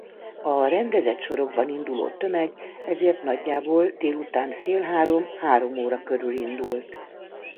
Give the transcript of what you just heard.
A rendezett sorokban induló tömeg ezért nagyjából délután fél három-három óra körül indult.